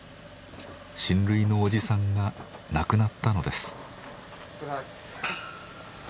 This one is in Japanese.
親類のおじさんが亡くなったのです。